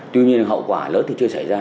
tuy nhiên hậu quả lớn thì chưa xảy ra